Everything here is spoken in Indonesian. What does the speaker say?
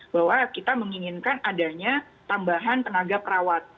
bahwa kita menginginkan adanya tambahan tenaga perawat